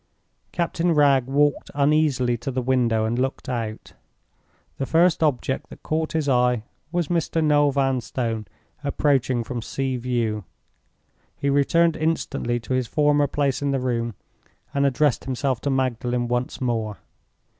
Captain Wragge walked uneasily to the window and looked out. The first object that caught his eye was Mr. Noel Vanstone approaching from Sea View. He returned instantly to his former place in the room, and addressed himself to Magdalen once more.